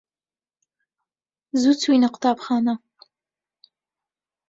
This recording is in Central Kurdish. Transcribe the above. زوو چووینە قوتابخانە.